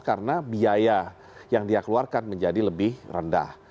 karena biaya yang dia keluarkan menjadi lebih rendah